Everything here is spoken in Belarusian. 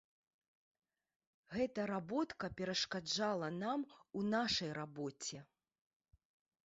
Гэта работка перашкаджала нам у нашай рабоце.